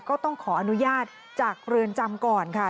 ก็ต้องขออนุญาตจากเรือนจำก่อนค่ะ